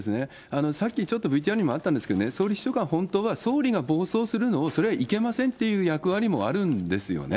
さっきちょっとＶＴＲにもあったんですけどね、総理秘書官、本当は総理が暴走するのを、それはいけませんという役割もあるんですよね。